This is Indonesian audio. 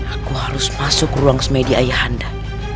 aku harus masuk ke ruang semai di ayahanda